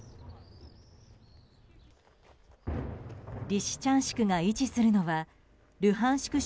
リシチャンシクが位置するのはルハンシク